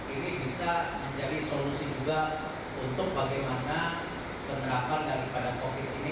ini bisa menjadi solusi juga untuk bagaimana penerapan daripada covid ini